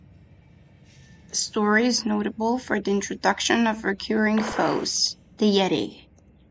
The story is notable for the introduction of recurring foes, the Yeti.